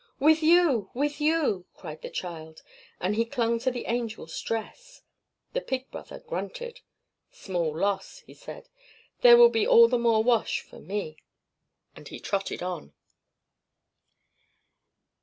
"With you, with you!" cried the child; and he clung to the Angel's dress. The Pig Brother grunted. "Small loss!" he said. "There will be all the more wash for me!" and he trotted on.